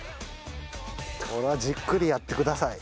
これはじっくりやってください。